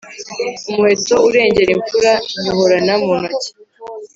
umuheto urengera imfura nywuhorana mu ntoki.